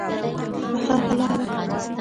په هغه لاره.